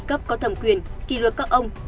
cấp có thẩm quyền kỷ luật các ông